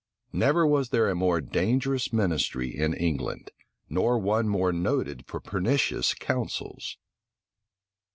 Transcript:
Never was there a more dangerous ministry in England, nor one more noted for pernicious counsels.